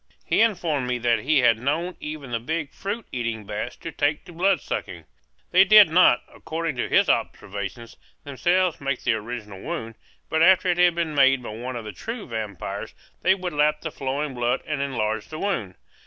He informed me that he had known even the big fruit eating bats to take to bloodsucking. They did not, according to his observations, themselves make the original wound; but after it had been made by one of the true vampires they would lap the flowing blood and enlarge the wound.